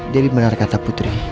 jadi benar kata putri